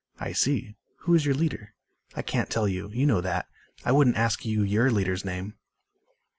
"I see. Who is your leader?" "I can't tell you. You know that. I wouldn't ask you your leader's name."